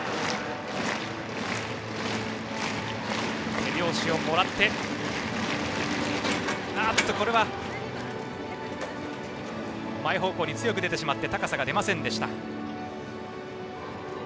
手拍子をもらって前方向に強く出てしまって高さが出ませんでした。